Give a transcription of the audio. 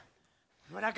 村上。